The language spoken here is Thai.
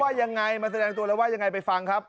อั้งไปนี่